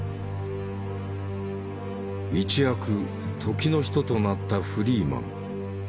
一躍時の人となったフリーマン。